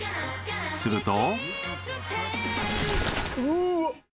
［すると］